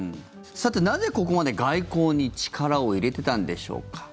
なぜ、ここまで外交に力を入れてたんでしょうか。